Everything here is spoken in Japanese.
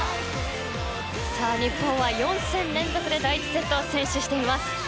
日本は４戦連続で第１セットを先取しています。